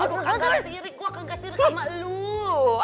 aku gak sirik aku gak sirik sama loe